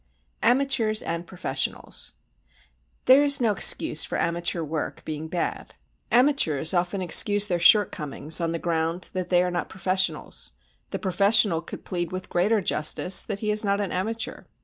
Amateurs and Professionals There is no excuse for amateur work being bad. Amateurs often excuse their shortcomings on the ground that they are not professionals, the professional could plead with greater justice that he is not an amateur.